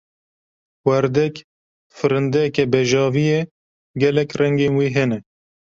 Werdek, firindeyeke bejavî ye, gelek rengên wê hene.